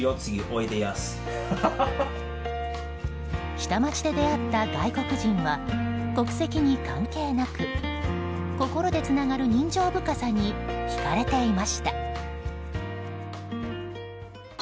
下町で出会った外国人は国籍に関係なく心でつながる人情深さに引かれていました。